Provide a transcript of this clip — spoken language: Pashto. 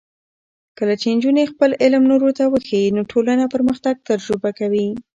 کله چې نجونې خپل علم نورو ته وښيي، نو ټولنه پرمختګ تجربه کوي.